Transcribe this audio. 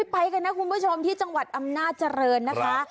ไปกันนะคุณผู้ชมที่จังหวัดอำนาจริงนะคะ